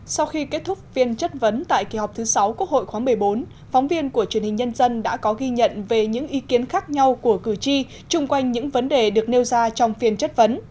sau khi kết thúc phiên chất vấn tại kỳ họp thứ sáu quốc hội khóa một mươi bốn phóng viên của truyền hình nhân dân đã có ghi nhận về những ý kiến khác nhau của cử tri chung quanh những vấn đề được nêu ra trong phiên chất vấn